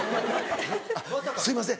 あすいません